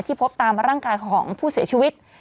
พบตามร่างกายของผู้เสียชีวิต